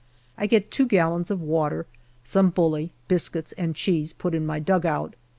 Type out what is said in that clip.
I get two gallons of water, some bully, bis cuits, and cheese put in my dugout.